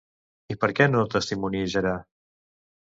I per què no testimoniejarà?